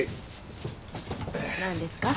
何ですか？